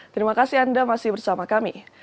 terima kasih anda masih bersama kami